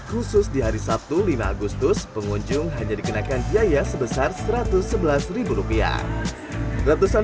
khusus di hari sabtu lima agustus pengunjung hanya dikenakan biaya sebesar satu ratus sebelas rupiah ratusan